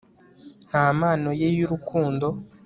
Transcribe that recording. nta mpano ye yurukundo